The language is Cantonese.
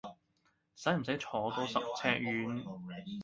使唔使坐到十尺遠？